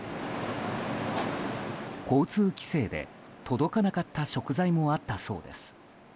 交通規制で届かなかった食材もあったそうです。